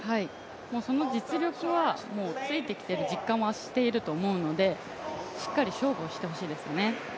その実力はついてきてる実感はしていると思うのでしっかり勝負をしてほしいですね。